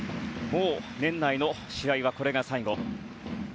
年内の試合はこれが最後。